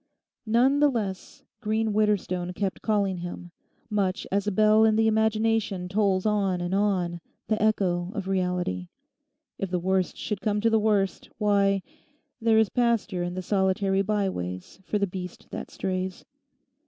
None the less green Widderstone kept calling him, much as a bell in the imagination tolls on and on, the echo of reality. If the worst should come to the worst, why—there is pasture in the solitary by ways for the beast that strays.